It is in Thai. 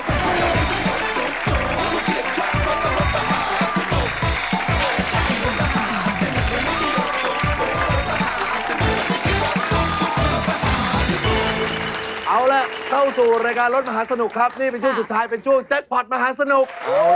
เป็นช่วงแจ็คพอร์ธมหาสนุก